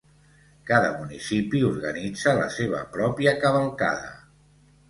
Cada municipi organitza la seva pròpia cavalcada.